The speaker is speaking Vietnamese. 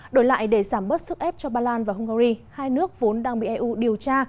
đổi lại để giảm bớt sức ép cho ba lan và hungary hai nước vốn đang bị eu điều tra